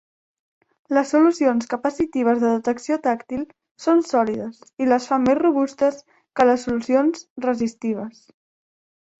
Les solucions capacitives de detecció tàctil són sòlides, i les fa més robustes que les solucions resistives.